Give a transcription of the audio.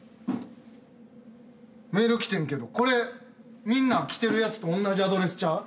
メール来てんけどこれみんな来てるやつとおんなじアドレスちゃう？